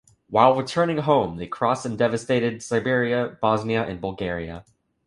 While returning home, they crossed and devastated Serbia, Bosnia and Bulgaria.